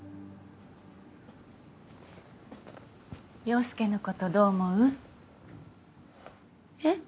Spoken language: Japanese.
陽佑のことどう思う？え。